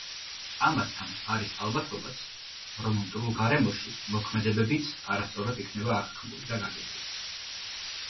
ამასთან არის ალბათობაც, რომ მტრულ გარემოში მოქმედებებიც არასწორად იქნება აღქმული და გაგებული.